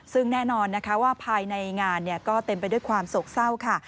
ซึ่งแน่นอนนะคะว่าภายในงานก็เต็มไปด้วยความโศกเศร้าค่ะ